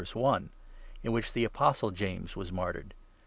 i), in which the Apostle James was martyred.